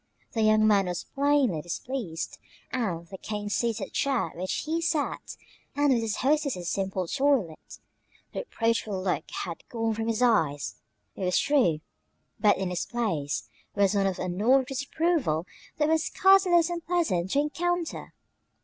The young man was plainly displeased with the cane seated chair in which he sat, and with his hostess's simple toilet. The reproachful look had gone from his eyes, it was true, but in its place was one of annoyed disapproval that was scarcely less unpleasant to encounter.